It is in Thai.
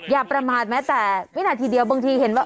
อย่าประมาทแม้แต่วินาทีเดียวบางทีเห็นว่า